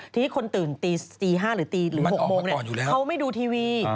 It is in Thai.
ที่คนตื่นตี๔๕หรือ๖โมงเขาไม่ดูทีวี